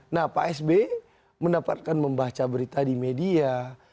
nah pak sby mendapatkan membaca berita di media